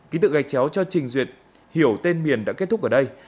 ký tự gạch chéo cho trình duyệt hiểu tên miền đã kết thúc ở đây